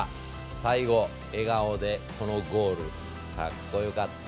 最後笑顔でこのゴールかっこよかった。